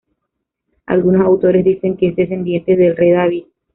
Algunos autores dicen que es descendiente del rey David.